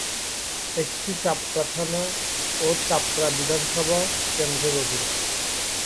এটি চাপড়া থানা ও চাপড়া বিধানসভা কেন্দ্রের অধীন।